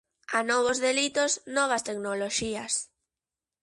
A novos delitos, novas tecnoloxías.